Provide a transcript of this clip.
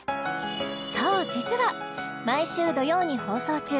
そう実は毎週土曜に放送中